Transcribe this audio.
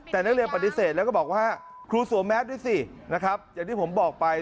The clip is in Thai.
แต่นักเรียนปฏิเสธแล้วก็บอกว่าครูสวมแมสด้วยสินะครับอย่างที่ผมบอกไป